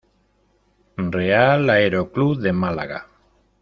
Real Aeroclub de Málaga